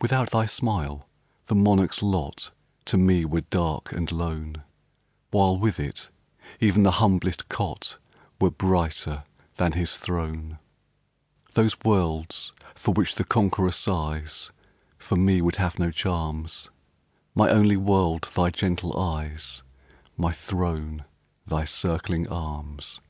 Without thy smile, the monarch's lot To me were dark and lone, While, with it, even the humblest cot Were brighter than his throne. Those worlds for which the conqueror sighs For me would have no charms; My only world thy gentle eyes My throne thy circling arms!